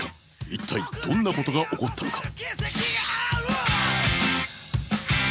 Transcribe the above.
一体どんなことが起こったのか？